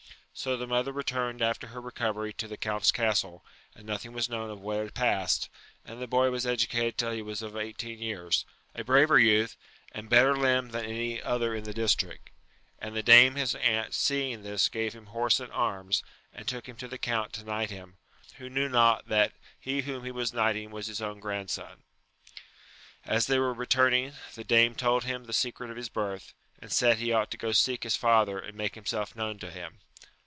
So the mother returned after her recovery to the Count's castle, and nothing was known of what had passed, and the boy was edu cated till he was of eighteen years, a braver youth, and better limbed than any other in the district ; and the dame his aunt seeing this gave him horse and arms, and took him to tii^ Oo\3ca\» \.Ci \a3ivgc&»\Ms^^^^l^^^ \!l^ AMADIS OF GAUL. 231 that he whom he was knighting was his own grand son. As they were returning, the dame told him the secret of his birth, and said he ought to go seek his father and make himself known to him.